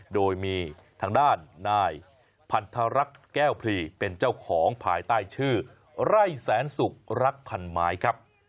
โดยมีทางด้านนายพันธรรักษ์แก้วพรีเป็นเจ้าของภายใต้ชื่อไร่แสนสุกรักพันไม้ครับ